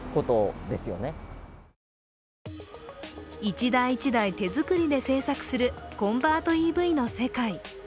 一台一台、手作りで製作するコンバートＥＶの世界。